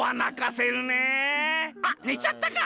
あっねちゃったか。